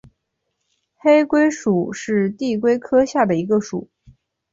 黑龟属是地龟科下的一个属。